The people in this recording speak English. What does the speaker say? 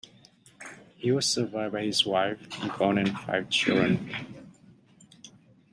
He was survived by his wife Yvonne and five children.